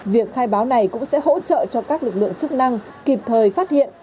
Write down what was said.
việc khai báo này cũng sẽ hỗ trợ cho các lực lượng chức năng kịp thời phát hiện